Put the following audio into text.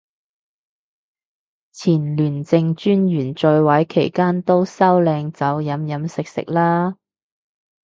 前廉政專員在位期間都收靚酒飲飲食食啦